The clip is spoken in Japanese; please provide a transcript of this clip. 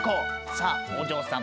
さあおじょうさん